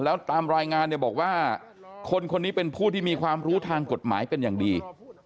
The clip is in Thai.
แล้วตามรายงานเนี่ยบอกว่าคนคนนี้เป็นผู้ที่มีความรู้ทางกฎหมายเป็นอย่างดี